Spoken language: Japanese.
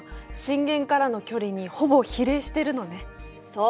そう！